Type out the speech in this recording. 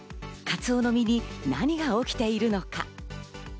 カツオの身に何が起きているのか？